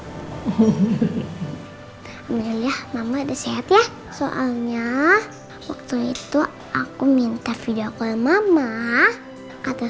hai amin ya mama udah sehat ya soalnya waktu itu aku minta video call mama atau